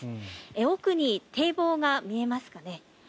奥に堤防が見えますかね。